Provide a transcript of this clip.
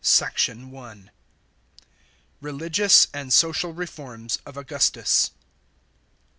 SECT. I. — RELIGIOUS AND SOCIAL REFORMS OF AUGUSTUS.